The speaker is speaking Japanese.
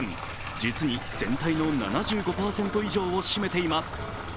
実に全体の７５％以上を占めています。